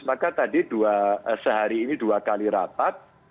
maka tadi sehari ini dua kali rapat